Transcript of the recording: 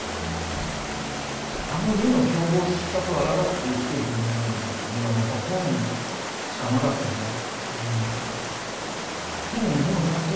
あの世の凶暴さとあらがって生きていくにはやっぱ本しかなかったですね。